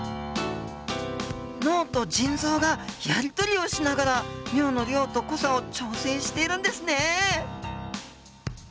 脳と腎臓がやり取りをしながら尿の量と濃さを調整しているんですね！